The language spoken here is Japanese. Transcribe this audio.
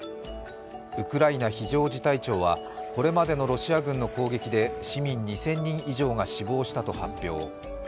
ウクライナ非常事態庁はこれまでのロシア軍の攻撃で市民２０００人以上が死亡したと発表。